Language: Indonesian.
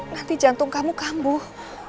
nanti jantung kamu kambuh